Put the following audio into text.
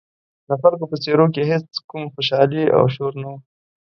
د خلکو په څېرو کې هېڅ کوم خوشحالي او شور نه و.